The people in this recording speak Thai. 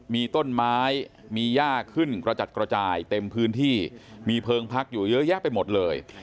มีต้นไม้มีย่าขึ้นกระจัดกระจายเต็มพื้นที่มีเพลิงพักอยู่เยอะแยะไปหมดเลย